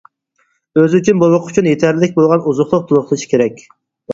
ئۆزى ئۈچۈن، بوۋىقى ئۈچۈن يېتەرلىك بولغان ئوزۇقلۇق تولۇقلىشى كېرەك.